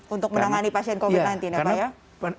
untuk menangani pasien covid nanti ya pak